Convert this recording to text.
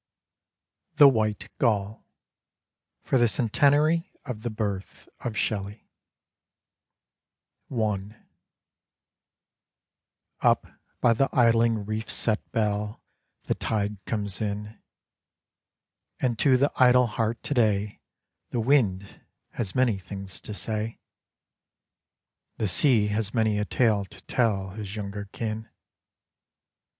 THE WHITE GULL For the Centenary of the Birth of Shelley I Up by the idling reef set bell The tide comes in; And to the idle heart to day The wind has many things to say; The sea has many a tale to tell His younger kin.